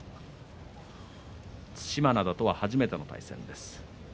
對馬洋とは初めての対戦です。